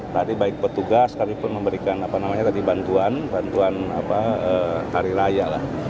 tadi baik petugas kami pun memberikan bantuan bantuan hari raya lah